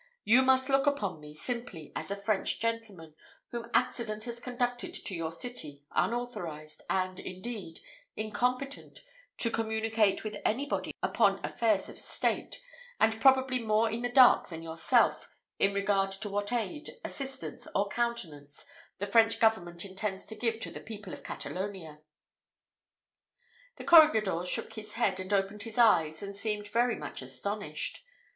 You must look upon me simply as a French gentleman whom accident has conducted to your city, unauthorized, and, indeed, incompetent to communicate with any body upon affairs of state, and probably more in the dark than yourself, in regard to what aid, assistance, or countenance the French government intends to give to the people of Catalonia." The corregidor shook his head, and opened his eyes, and seemed very much astonished.